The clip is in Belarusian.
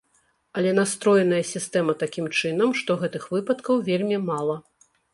Але настроеная сістэма такім чынам, што гэтых выпадкаў вельмі мала.